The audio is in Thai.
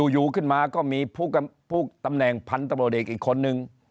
อยู่ขึ้นมาก็มีผู้ตำแหน่งพันธบรวจเอกอีกคนนึง